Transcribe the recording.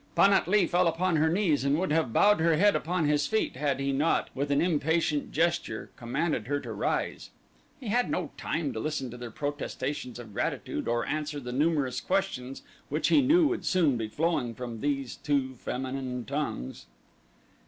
Pan at lee fell upon her knees and would have bowed her head upon his feet had he not, with an impatient gesture, commanded her to rise. He had no time to listen to their protestations of gratitude or answer the numerous questions which he knew would soon be flowing from those two feminine tongues.